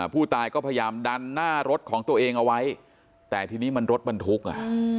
ผู้ตายก็พยายามดันหน้ารถของตัวเองเอาไว้แต่ทีนี้มันรถบรรทุกอ่ะ